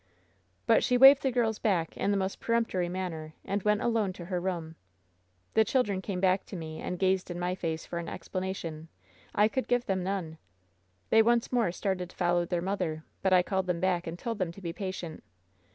"But she waved the girls back in the most peremptory manner, and went alone to her room. The children came back to me, and gazed in my face for an explana tion. I could give them none. They once more started to follow their mother. But I called them back, and told them to be patient.